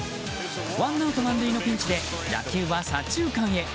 ワンアウト満塁のピンチで打球は左中間へ。